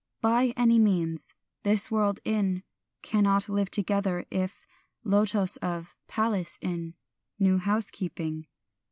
By any means, this world in, cannot live together if, Lotos of Palace in, new housekeeping."